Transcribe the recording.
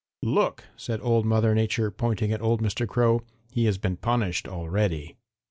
"'Look!' said Old Mother Nature, pointing at old Mr. Crow. 'He has been punished already.'